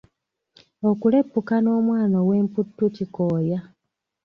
Okuleppuka n'omwana ow'emputtu kikooya.